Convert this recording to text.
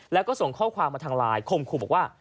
แล้วก็ส่งข้อความมาทางไลน์คมครูบอกว่า